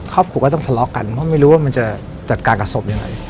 ครอบครัวก็ต้องทะเลาะกันเพราะไม่รู้ว่ามันจะจัดการกับศพยังไง